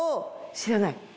知らない？